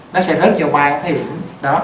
nó sẽ rớt vào ba cái thời điểm đó